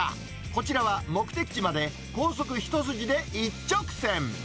こちらは目的地まで高速一筋で一直線。